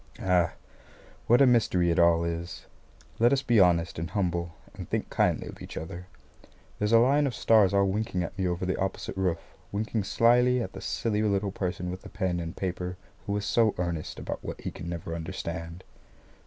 Ah, what a mystery it all is! Let us be honest and humble and think kindly of each other. There's a line of stars all winking at me over the opposite roof winking slyly at the silly little person with the pen and paper who is so earnest about what he can never understand.